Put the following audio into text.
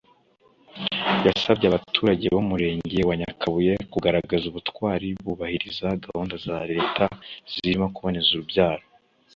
yasabye abaturage b’Umurenge wa Nyakabuye kugaragaza ubutwari bubahiriza gahunda za Leta zirimo kuboneza urubyaro